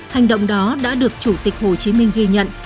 hành động đó đã được chủ tịch hồ chí minh ghi nhận